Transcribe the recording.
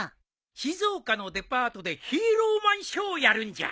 静岡のデパートでヒーローマンショーをやるんじゃ。